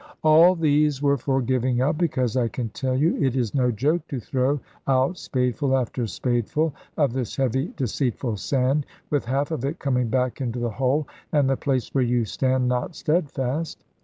All these were for giving up; because I can tell you it is no joke to throw out spadeful after spadeful of this heavy deceitful sand, with half of it coming back into the hole; and the place where you stand not steadfast.